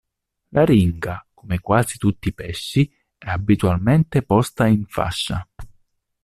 L'aringa, come quasi tutti i pesci, è abitualmente posta in fascia.